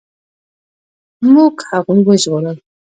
موږ هغوی وژغورل.